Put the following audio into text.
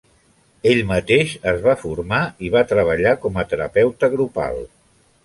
Ell mateix es va formar i va treballar com a terapeuta grupal.